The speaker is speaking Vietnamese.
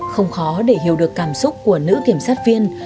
không khó để hiểu được cảm xúc của nữ kiểm sát viên